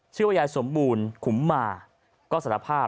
ชื่อว่ายายสมบูรณ์ขุมมา